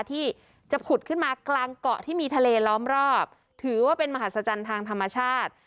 ที่จะผุดขึ้นมากลางเกาะที่มีทะเลล้อมรอบถือว่าเป็นมหัศจรรย์ทางธรรมชาติ